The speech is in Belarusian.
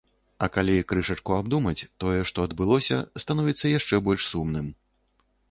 А калі крышачку абдумаць тое, што адбылося, становіцца яшчэ больш сумным.